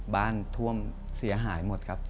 บ้านท่วมเสียหายหมดครับ